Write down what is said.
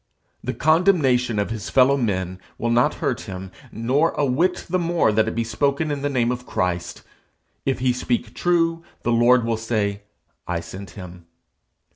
The condemnation of his fellow men will not hurt him, nor a whit the more that it be spoken in the name of Christ. If he speak true, the Lord will say 'I sent him.'